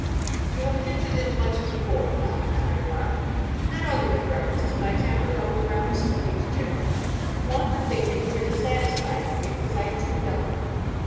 "You have hinted as much before, Robina," I remarked, "not only with reference to my temper, but with reference to things generally. One would think that you were dissatisfied with me because I am too young."